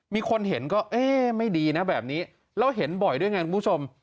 มีคนเห็นก็เอ๊ะไม่ดีนะแบบนี้แล้วเห็นบ่อยด้วยไงคุณผู้ชม